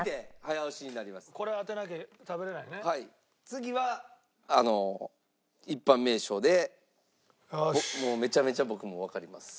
次は一般名称でめちゃめちゃ僕もわかります。